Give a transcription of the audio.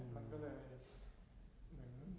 มันก็เลยเหมือน